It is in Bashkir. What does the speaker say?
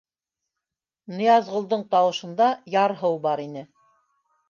— Ныязғолдоң тауышында ярһыу бар ине.